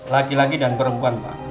laki laki dan perempuan pak